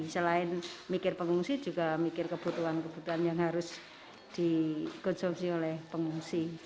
selain mikir pengungsi juga mikir kebutuhan kebutuhan yang harus dikonsumsi oleh pengungsi